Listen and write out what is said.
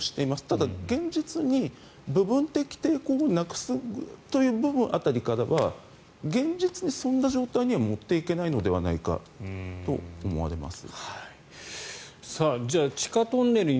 ただ現実に部分的抵抗をなくすという部分辺りからは現実にそんな状態には持っていけないのではないかと思われます。